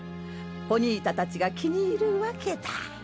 ポニータたちが気に入るわけだ。